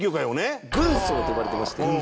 高橋：軍曹と呼ばれてまして。